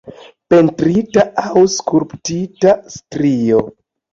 Pentrita aŭ skulptita strio.